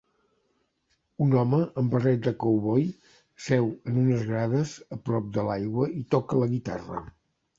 Un home amb barret de cowboy seu en unes grades a prop de l'aigua i toca la guitarra